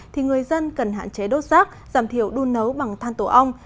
thì người dân cần hạn chế đốt rác giảm thiểu đun nấu bằng than tổ ong